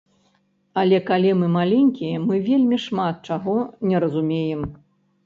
Але калі мы маленькія, мы вельмі шмат чаго не разумеем.